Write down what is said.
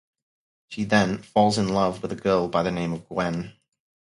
She then "falls in love" with a girl by the name of Gwen.